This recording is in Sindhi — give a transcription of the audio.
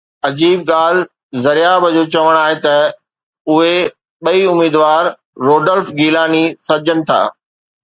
عجيب ڳالهه زرياب جو چوڻ آهي ته اهي ٻئي اميدوار روڊولف گيلاني سڏجن ٿا